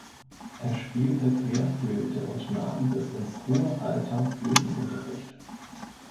Er spielte Querflöte und nahm bis ins hohe Alter Flötenunterricht.